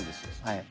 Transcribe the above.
はい。